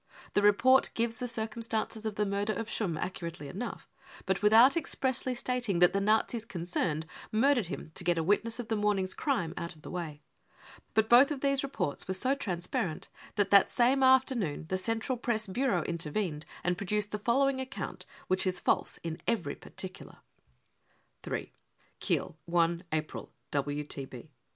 The report gives the circumstances of the murder of Schumm accurately enough, but without expressly stating that the Nazis concerned murdered him to get a witness of the morning 5 s n crime out of the way. But both these reports were so transparent that that same afternoon the Central Press Bureau intervened and pro duced the following account, which is false in every par ticular.) 64 Kiel, i April (WTB.)